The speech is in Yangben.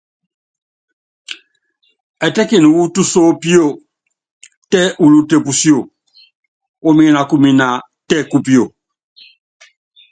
Ɛtɛ́kini wu túnsopio, tɛ ulute pusíó, uminakumina tɛ kupio.